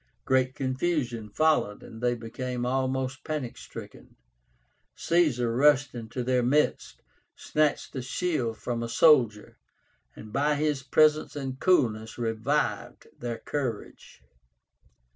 Great confusion followed, and they became almost panic stricken. Caesar rushed into their midst, snatched a shield from a soldier, and by his presence and coolness revived their courage.